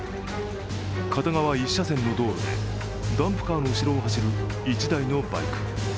片側１車線の道路でダンプカーの後ろを走る一台のバイク。